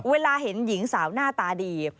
เวลาเห็นหญิงสาวหน้าตาดี